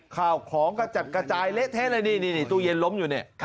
ข่าวของกระจัดกระจายเละเทะเลยนี่ตู้เย็นล้มอยู่เนี่ย